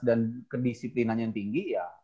dan kedisiplinan yang tinggi ya